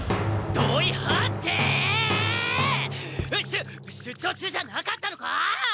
しゅ出張中じゃなかったのか！？